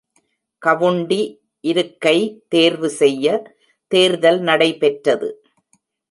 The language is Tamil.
கவுண்டி இருக்கை தேர்வு செய்ய தேர்தல் நடைபெற்றது.